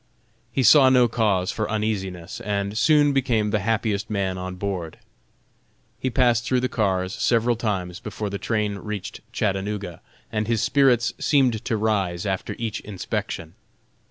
He saw no cause for uneasiness, and soon became the happiest man on board. He passed through the cars several times before the train reached Chattanooga, and his spirits seemed to rise after each inspection.